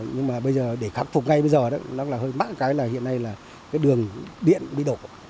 nhưng mà bây giờ để khắc phục ngay bây giờ đó nó là hơi mắc cái là hiện nay là cái đường điện bị đổ